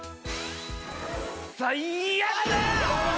最悪だ！